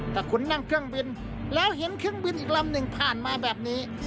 ถ้าคุณนั่งเครื่องบินแล้วเห็นเครื่องบินอีกลำหนึ่งผ่านมาแบบนี้